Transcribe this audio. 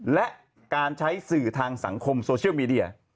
และการใช้สื่อทางสังคมโซเชียลมีเดีย